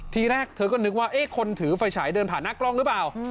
ทีแรกเธอก็นึกว่าคนถือไฟฉายเดินผ่านหน้ากล้องหรือเปล่า